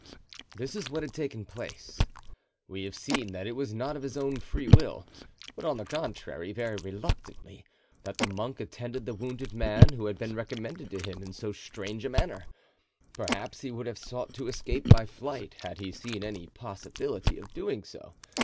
This is what had taken place: We have seen that it was not of his own free will, but, on the contrary, very reluctantly, that the monk attended the wounded man who had been recommended to him in so strange a manner. Perhaps he would have sought to escape by flight had he seen any possibility of doing so.